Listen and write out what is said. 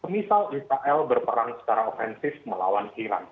misal israel berperang secara ofensif melawan iran